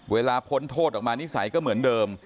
พ้นโทษออกมานิสัยก็เหมือนเดิม